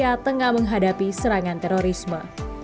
masa ini kita tengah menghadapi serangan terorisme